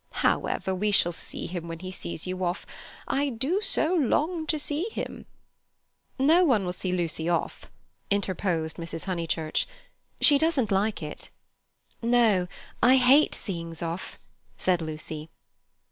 "However, we shall see him when he sees you off. I do so long to see him." "No one will see Lucy off," interposed Mrs. Honeychurch. "She doesn't like it." "No, I hate seeings off," said Lucy.